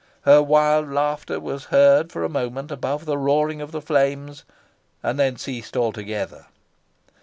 Her wild laughter was heard for a moment above the roaring of the flames, and then ceased altogether.